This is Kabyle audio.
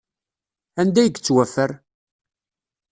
Anda i yettwaffer?